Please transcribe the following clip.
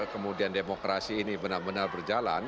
kemudian demokrasi ini benar benar berjalan